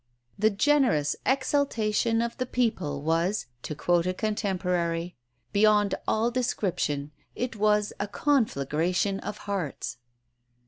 "The generous exultation of the people was," to quote a contemporary, "beyond all description. It was a conflagration of hearts."